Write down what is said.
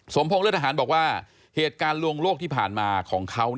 พงษหารบอกว่าเหตุการณ์ลวงโลกที่ผ่านมาของเขา